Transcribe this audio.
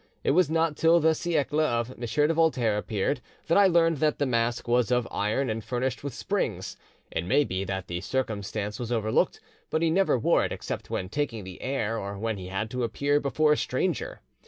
It was not till the 'Siecle' of M. de Voltaire appeared that I learned that the mask was of iron and furnished with springs; it may be that the circumstance was overlooked, but he never wore it except when taking the air, or when he had to appear before a stranger.